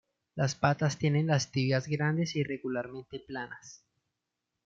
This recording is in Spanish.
Las patas tienen las tibias grandes e irregularmente planas.